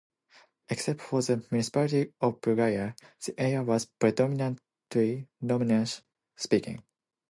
Except for the municipality of Bregaglia, the area was predominately Romansh-speaking.